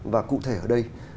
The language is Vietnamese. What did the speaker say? và cụ thể ở đây